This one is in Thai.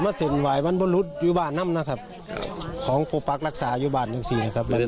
ไม่ได้สบายใจว่ามันนี่